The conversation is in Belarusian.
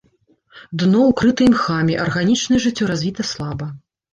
Дно ўкрыта імхамі, арганічнае жыццё развіта слаба.